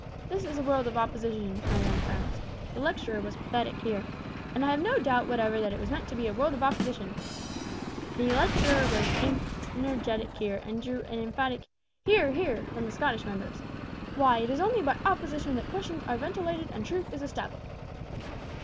This is a world of opposition, my young friends" the lecturer was pathetic here "and I have no doubt whatever that it was meant to be a world of opposition" the lecturer was energetic here, and drew an emphatic "Hear, hear," from the Scotch members. "Why, it is only by opposition that questions are ventilated and truth is established!